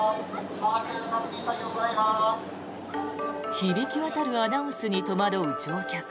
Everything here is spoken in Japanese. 響き渡るアナウンスに戸惑う乗客。